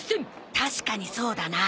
確かにそうだな。